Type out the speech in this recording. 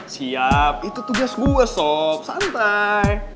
siap itu tugas gue sop santai